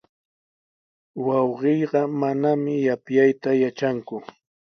Wawqiiqa manami yapyayta yatranku.